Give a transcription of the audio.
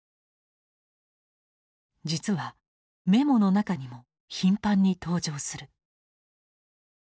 実はメモの中にも頻繁に登場する。